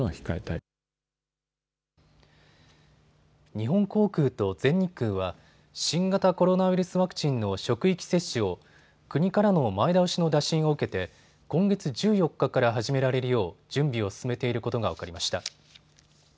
日本航空と全日空は新型コロナウイルスワクチンの職域接種を国からの前倒しの打診を受けて今月１４日から始められるよう準備を進めていることが分かりました。